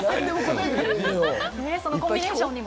コンビネーションにも